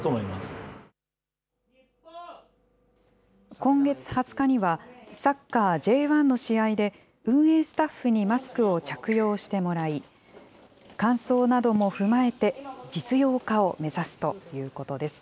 今月２０日には、サッカーＪ１の試合で、運営スタッフにマスクを着用してもらい、感想なども踏まえて実用化を目指すということです。